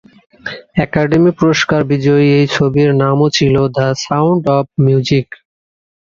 Academy পুরস্কার বিজয়ী এই ছবির নামও ছিল দ্য সাউন্ড অব মিউজিক।